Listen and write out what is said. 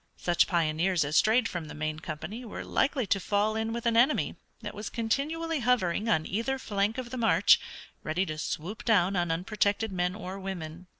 Such pioneers as strayed from the main company were likely to fall in with an enemy that was continually hovering on either flank of the march, ready to swoop down upon unprotected men or women.